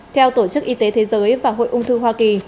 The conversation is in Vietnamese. theo tổ chức y tế thế giới và hội ung thư hoa kỳ